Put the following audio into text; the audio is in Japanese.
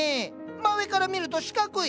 真上から見ると四角い。